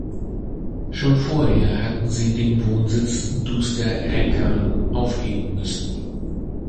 Schon vorher hatten sie den Wohnsitz Duster-Reckahn aufgeben müssen.